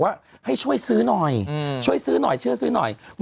ว่าให้ช่วยซื้อหน่อยช่วยซื้อหน่อยช่วยซื้อหน่อย